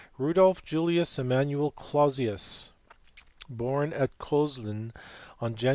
Rudolph Julius Emmanuel Clausius, born at Coslin on Jan.